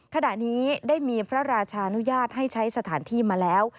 ขณะนี้ได้มีพระราชานุญาตให้ใช้สถานที่มาแล้ว